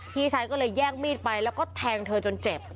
พี่ชายก็เลยแย่งมีดไปแล้วก็แทงเธอจนเจ็บ